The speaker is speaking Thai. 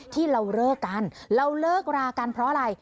ที่เราเลิกกันเราเลิกรากันเพราะอะไร